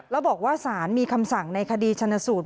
แล้วบอกว่าสารมีคำสั่งในคดีชนสูตร